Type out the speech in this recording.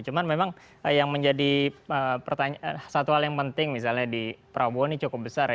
cuma memang yang menjadi satu hal yang penting misalnya di prabowo ini cukup besar ya